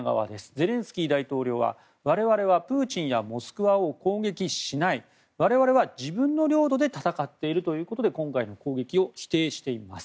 ゼレンスキー大統領は我々はプーチンやモスクワを攻撃しない我々は自分の領土で戦っているということで今回の攻撃を否定しています。